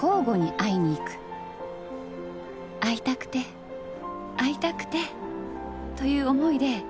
会いたくて会いたくてという思いで月１回会うのよ。